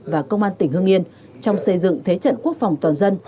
và công an tỉnh hương yên trong xây dựng thế trận quốc phòng toàn dân